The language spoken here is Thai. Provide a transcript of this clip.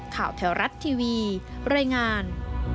ข่าวแถวรัฐทีวีรายงาน